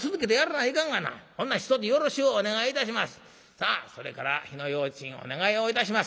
さあそれから火の用心お願いをいたします。